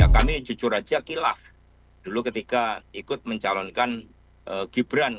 kami jujur aja kilah dulu ketika ikut mencalonkan gibran